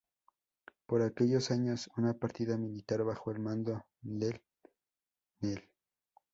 Por aquellos años, una partida militar bajo el mando del Cnel.